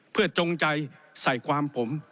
เพื่อจงใจใส่ความผม